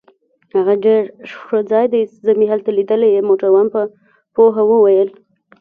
هغه ډیر ښه ځای دی، زه مې هلته لیدلی يې. موټروان په پوهه وویل.